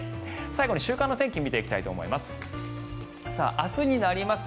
最後に週間の天気を見ていきたいと思います。